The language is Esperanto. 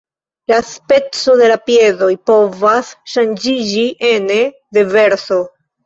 La speco de la piedoj povas ŝanĝiĝi ene de verso.